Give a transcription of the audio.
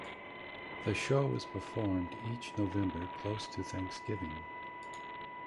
The show is performed each November close to Thanksgiving.